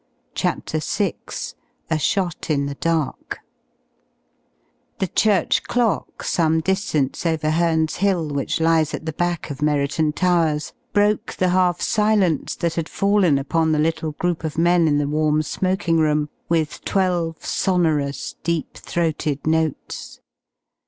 CHAPTER VI A SHOT IN THE DARK The church clock, some distance over Herne's Hill which lies at the back of Merriton Towers, broke the half silence that had fallen upon the little group of men in the warm smoking room with twelve sonorous, deep throated notes.